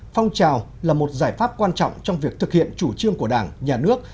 phong trào là một giải pháp quan trọng trong việc thực hiện chủ trương của đảng nhà nước